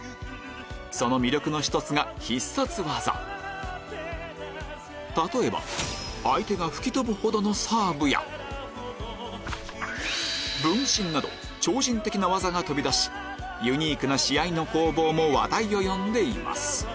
その魅力の１つが必殺技例えば相手が吹き飛ぶほどのサーブや分身など超人的な技が飛び出しユニークな試合の攻防も話題を呼んでいます